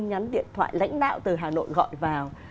nhắn điện thoại lãnh đạo từ hà nội gọi vào